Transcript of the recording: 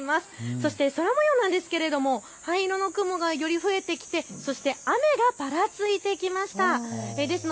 そして空もようなんですけど灰色の雲がより増えてきてそして雨がぱらついてきました。